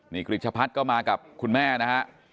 นี่กริจพัฒน์ก็มากับคุณแม่นะฮะ